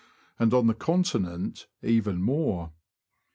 and on the Con tinent even more.